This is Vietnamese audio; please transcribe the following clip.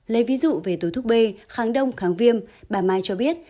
lấy ví dụ về túi thuốc b kháng đông kháng viêm bà mai cho biết